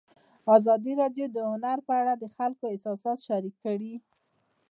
ازادي راډیو د هنر په اړه د خلکو احساسات شریک کړي.